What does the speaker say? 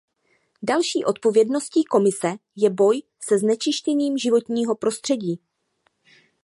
Další odpovědností Komise je boj se znečištěním životního prostředí.